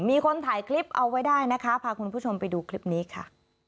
มีคนถ่ายคลิปเอาไว้ได้นะคะพาคุณผู้ชมไปดูคลิปนี้ค่ะ